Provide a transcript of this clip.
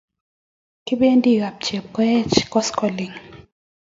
Kipendi kap Chepkoech koskoling'